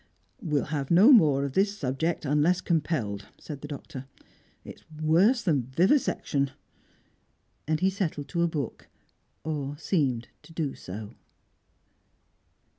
"We'll have no more of this subject, unless compelled," said the Doctor. "It's worse that vivisection." And he settled to a book or seemed to do so.